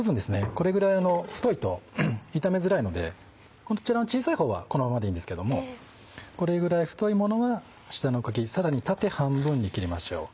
これぐらい太いと炒めづらいのでこちらの小さい方はこのままでいいんですけどもこれぐらい太いものは下の茎さらに縦半分に切りましょう。